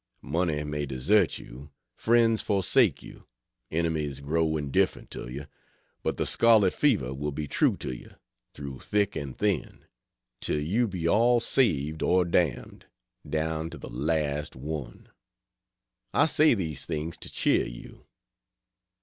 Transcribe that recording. Money may desert you, friends forsake you, enemies grow indifferent to you, but the scarlet fever will be true to you, through thick and thin, till you be all saved or damned, down to the last one. I say these things to cheer you.